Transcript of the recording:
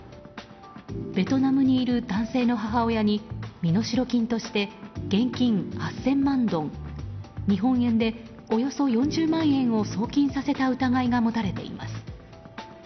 ベトナムにいる男性の母親に身代金として現金８０００万ドン日本円でおよそ４０万円を送金させた疑いが持たれています。